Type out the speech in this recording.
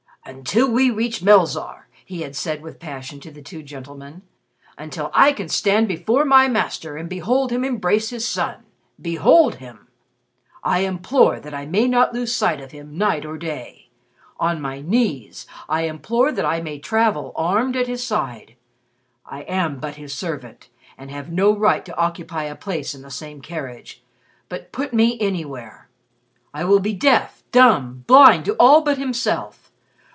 "Until we reach Melzarr," he had said with passion to the two gentlemen, "until I can stand before my Master and behold him embrace his son behold him I implore that I may not lose sight of him night or day. On my knees, I implore that I may travel, armed, at his side. I am but his servant, and have no right to occupy a place in the same carriage. But put me anywhere. I will be deaf, dumb, blind to all but himself.